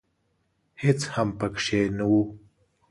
هېڅ هم پکښې نه و .